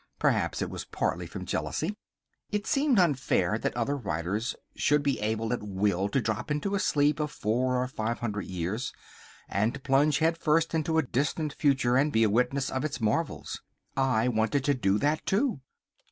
Perhaps it was partly from jealousy. It seemed unfair that other writers should be able at will to drop into a sleep of four or five hundred years, and to plunge head first into a distant future and be a witness of its marvels. I wanted to do that too.